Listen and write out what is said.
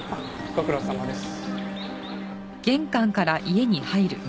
ご苦労さまです。